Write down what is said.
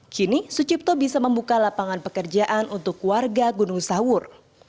kini sucipto bisa membuka lapangan pekerjaan untuk warga gunung sawur